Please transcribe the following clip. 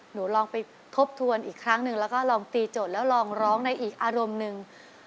หนูลองไปทบทวนอีกครั้งหนึ่งแล้วก็ลองตีโจทย์แล้วลองร้องในอีกอารมณ์หนึ่ง